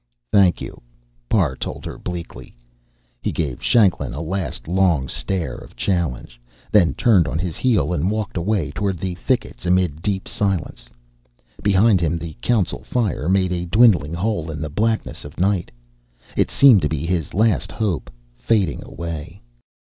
"Thank you," Parr told her bleakly. He gave Shanklin a last long stare of challenge, then turned on his heel and walked away toward the thickets amid deep silence. Behind him the council fire made a dwindling hole in the blackness of night. It seemed to be his last hope, fading away.